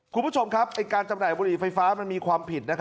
คุณผู้ชมครับการจำหน่ายบุหรี่ไฟฟ้ามันมีความผิด